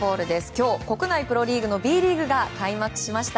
今日、国内プロリーグのＢリーグが開幕しました。